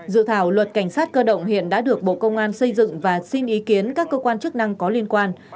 dự thảo luật cảnh sát cơ động hiện đã được bộ công an xây dựng và xin ý kiến các cơ quan chức năng có liên quan